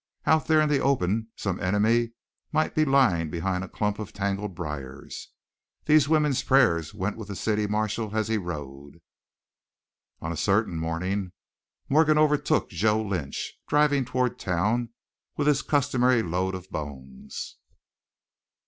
Out there in the open some enemy might be lying behind a clump of tangled briars. These women's prayers went with the city marshal as he rode. On a certain morning Morgan overtook Joe Lynch, driving toward town with his customary load of bones.